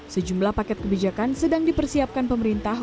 sejumlah paket kebijakan sedang dipersiapkan pemerintah